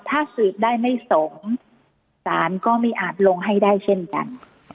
ถ้าสืบได้ไม่สมสารก็ไม่อาจลงให้ได้เช่นกัน